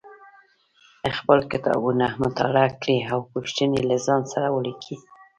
خپل کتابونه مطالعه کړئ او پوښتنې له ځان سره ولیکئ